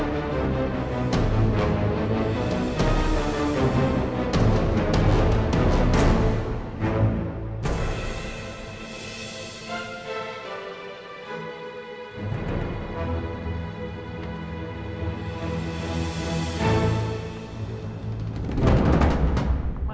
kita akan kembali bersama